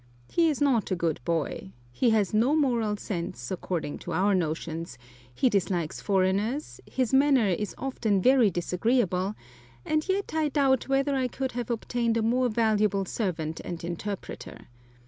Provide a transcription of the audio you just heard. He is not a good boy. He has no moral sense, according to our notions; he dislikes foreigners; his manner is often very disagreeable; and yet I doubt whether I could have obtained a more valuable servant and interpreter.